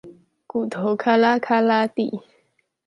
骨頭喀啦喀啦地